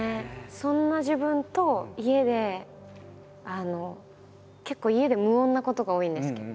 そんな自分と家で結構家で無音なことが多いんですけど。